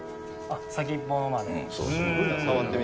あっ、先っぽまで？